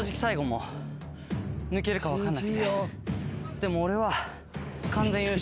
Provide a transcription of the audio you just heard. でも俺は。